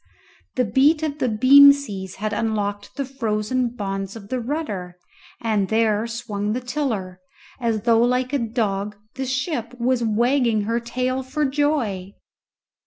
The beat of the beam seas had unlocked the frozen bonds of the rudder, and there swung the tiller, as though like a dog the ship was wagging her tail for joy!